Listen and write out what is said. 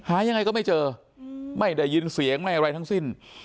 หายังไงก็ไม่เจอไม่ได้ยินเสียงไม่อะไรทั้งสิ้น